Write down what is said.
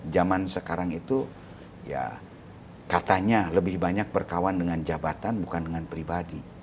zaman sekarang itu ya katanya lebih banyak berkawan dengan jabatan bukan dengan pribadi